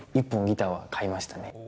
１本ギターは買いましたね。